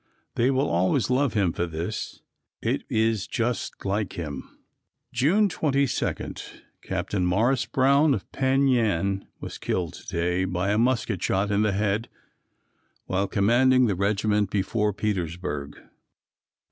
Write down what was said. They will always love him for this. It is just like him. June 22. Captain Morris Brown, of Penn Yan, was killed to day by a musket shot in the head, while commanding the regiment before Petersburg.